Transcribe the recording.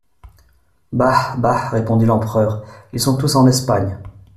Bah ! bah ! répondit l'empereur, ils sont tous en Espagne.